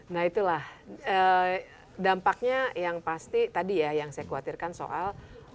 nah itulah dampaknya yang pasti tadi ya yang saya khawatirkan soal